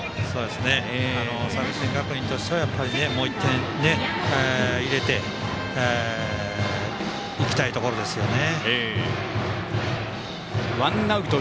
作新学院としてはもう１点入れていきたいところですよね。